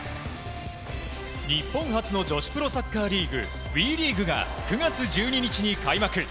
日本初の女子プロサッカーリーグＷＥリーグが９月１２日に開幕。